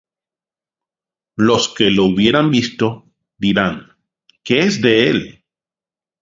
Los que le hubieren visto, dirán: ¿Qué es de él?